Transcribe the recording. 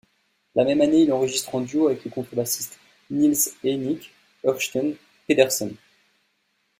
La même année, il enregistre en duo avec le contrebassiste Niels-Henning Ørsted Pedersen.